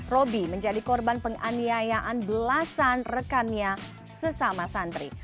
robi menjadi korban penganiayaan belasan rekannya sesama santri